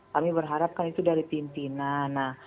kami berharapkan itu dari pimpinan